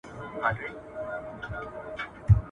د پاچا صاحب باز دئ، پر ډېران چرگوړي نيسي.